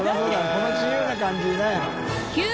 この自由な感じねぇ。